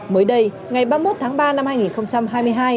mới đây ngày ba mươi một tháng ba năm hai nghìn hai mươi hai